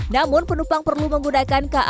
namun penumpang perlu menggunakan kao